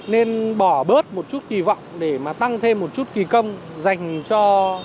nên bỏ bớt một chút kỳ vọng để mà tăng thêm một chút kỳ công dành cho